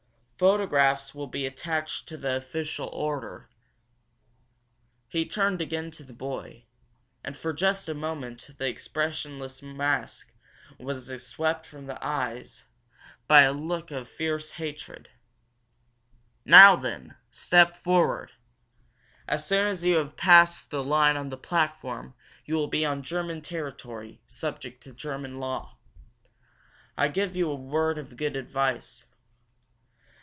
"Photographs will be attached to the official order." He turned again to the boy, and for just a moment the expressionless mask was swept from his eyes by a look of fierce hatred. "Now, then, step forward! As soon as you have passed the line on the platform you will be on German territory, subject to German law. I give you a word of good advice.